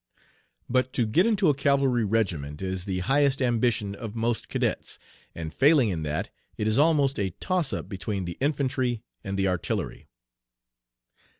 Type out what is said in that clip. "But to get into a cavalry regiment is the highest ambition of most cadets, and failing in that it is almost a toss up between the infantry and the artillery.